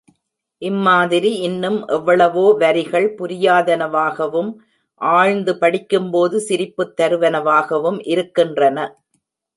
இம்மாதிரி இன்னும் எவ்வளவோ வரிகள் புரியாதனவாகவும், ஆழ்ந்து படிக்கும்போது, சிரிப்புத் தருவனவாகவும் இருக்கின்றன.